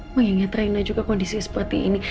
mengingat raina juga kondisi seperti ini